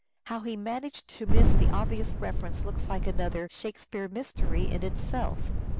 How he managed to miss the obvious inference looks like another "Shakespeare mystery" in itself.